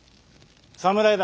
侍だ。